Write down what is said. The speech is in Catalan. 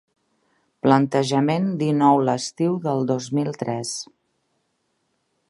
Plantejament dinou l'estiu del dos mil tres.